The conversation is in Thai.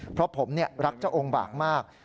เพราะผมรักเจ้าองค์บากมาก